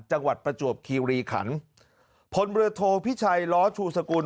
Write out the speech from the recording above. ประจวบคีรีขันพลเรือโทพิชัยล้อชูสกุล